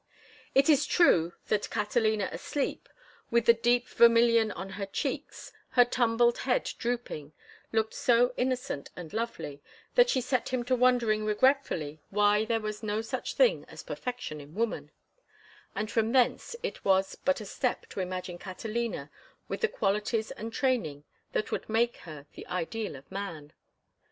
It is true that Catalina asleep, with the deep vermilion on her cheeks, her tumbled head drooping, looked so innocent and lovely that she set him to wondering regretfully why there was no such thing as perfection in woman; and from thence it was but a step to imagine Catalina with the qualities and training that would make her the ideal of man.